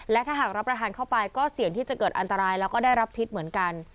และถ้าหากรับประทานเข้าไปก็เสี่ยงที่จะเกิดอันตรายแล้วก็ได้รับพิษเหมือนกัน